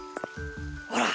ほら。